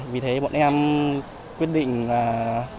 vì thế bọn em quyết định